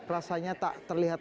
rasanya tak terlihat